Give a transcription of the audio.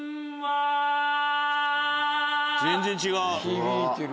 全然違う！